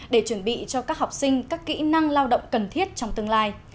để chuẩn bị cho các học sinh các kỹ năng lao động cần thiết trong tương lai